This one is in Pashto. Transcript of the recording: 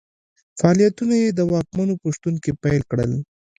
فعالیتونه یې د واکمنو په شتون کې پیل کړل.